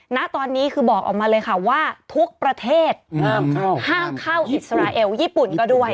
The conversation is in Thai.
ณตอนนี้คือบอกออกมาเลยค่ะว่าทุกประเทศห้ามเข้าห้ามเข้าอิสราเอลญี่ปุ่นก็ด้วย